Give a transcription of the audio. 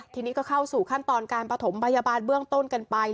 ทีนี้ก็เข้าสู่ขั้นตอนการประถมพยาบาลเบื้องต้นกันไป